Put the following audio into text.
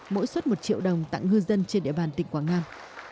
mỗi xuất một triệu đồng tặng ngư dân trên địa bàn tỉnh quảng nam